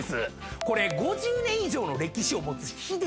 これ５０年以上の歴史を持つ秘伝の種。